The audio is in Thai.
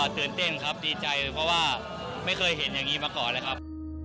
ตื่นเต้นครับดีใจเพราะว่าไม่เคยเห็นอย่างนี้มาก่อนเลยครับ